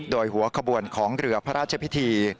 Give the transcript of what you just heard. โดยหัวขบวนของเรือพระราชพิธี